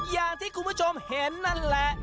อย่างที่คุณผู้ชมเห็นนั่นแหละ